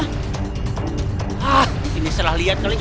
hah ini salah lihat kali ini